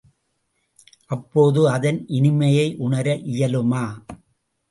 அப்போது அதன் இனிமையை உணர இயலுமா?